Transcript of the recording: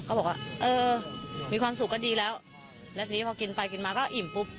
บอกว่าเออมีความสุขก็ดีแล้วแล้วทีนี้พอกินไปกินมาก็อิ่มปุ๊บ